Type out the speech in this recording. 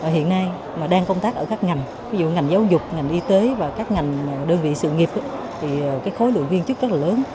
hiện nay mà đang công tác ở các ngành ví dụ ngành giáo dục ngành y tế và các ngành đơn vị sự nghiệp thì cái khối lượng viên chức rất là lớn